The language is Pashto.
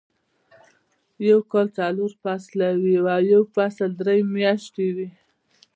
يو کال څلور فصله وي او يو فصل درې میاشتې وي.